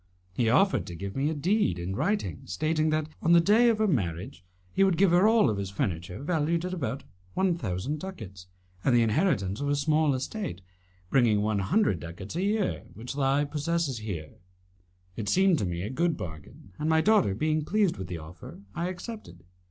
He offered to give me a deed in writing stating that, on the day of her marriage, he would give her all his furniture valued at about one thousand ducats, and the inheritance of a small estate, bringing one hundred ducats a year, which he possesses here. It seemed to me a good bargain, and, my daughter being pleased with the offer, I accepted.